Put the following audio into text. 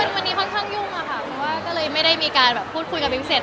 ในวันนี้ค่อนข้างยุ่งอ่ะแล้วก็เลยไม่ได้มีการพูดคุยกับหิวเสธ